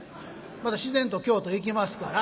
また自然と京都へ行きますから。